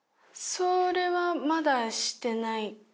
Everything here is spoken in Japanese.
そっちはまだしてない？